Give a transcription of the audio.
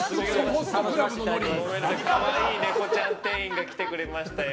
可愛いネコちゃん店員が来てくれましたよ。